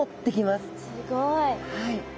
すごい。